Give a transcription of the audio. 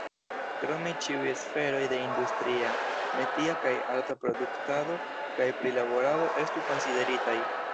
Krome ĉiuj sferoj de industria, metia kaj arta produktado kaj prilaborado estu konsideritaj.